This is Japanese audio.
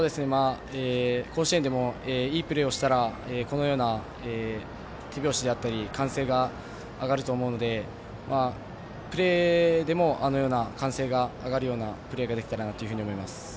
甲子園でもいいプレーをしたらこのような手拍子だったり歓声が上がると思うのでプレーでもあのような歓声が上がるようなプレーができたらなと思います。